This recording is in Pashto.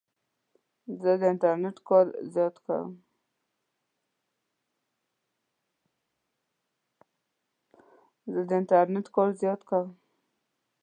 زه د انټرنېټ کار زده کوم.